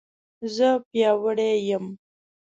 زه پیاوړې یم